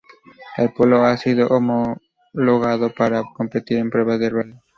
El Polo ha sido homologado para competir en pruebas de rally.